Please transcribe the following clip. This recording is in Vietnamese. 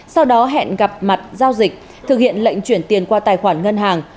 sau đó hẹn gặp mặt giao dịch thực hiện lệnh chuyển tiền qua tài khoản ngân hàng